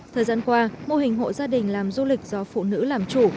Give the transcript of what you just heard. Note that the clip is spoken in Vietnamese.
thời gian qua mô hình hộ gia đình làm du lịch do phụ nữ làm chủ